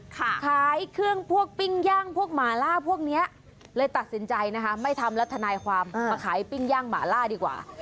ขายเครื่องพวกปิ้งย่างพวกหมาล่าพวกเนี้ยเลยตัดสินใจนะคะไม่ทำแล้วทนายความมาขายปิ้งย่างหมาล่าดีกว่า